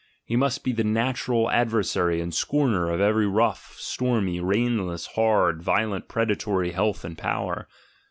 He must be the natural ad versary and scorner of every rough, stormy, reinless, hard, violently predatory health and power.